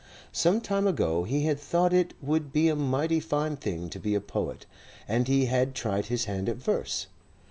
Some time ago he had thought it would be a mighty fine thing to be a poet, and had tried his hand at verse.